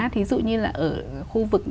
thí dụ như là ở khu vực